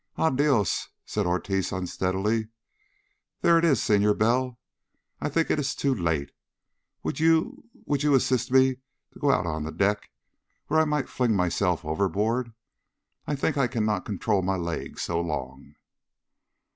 "Ah, Dios!" said Ortiz unsteadily. "There it is! Senor Bell, I think it is too late. Would you would you assist me to go out on deck, where I might fling myself overboard? I think I can control my legs so long."